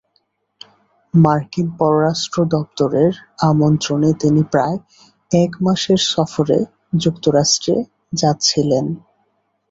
মার্কিন পররাষ্ট্র দপ্তরের আমন্ত্রণে তিনি প্রায় এক মাসের সফরে যুক্তরাষ্ট্রে যাচ্ছিলেন।